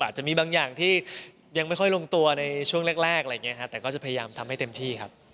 อาจจะมีบางอย่างที่ยังไม่ค่อยลงตัวในช่วงแรกอะไรอย่างนี้ครับแต่ก็จะพยายามทำให้เต็มที่ครับ